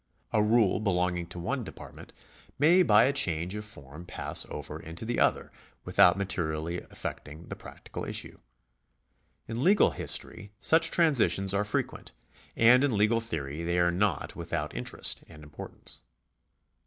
A rule belonging to one department may by a change of form pass over into the other without materially affecting the practical issue. In legal history such transitions are frequent, and in legal theory they are not without interest and importance.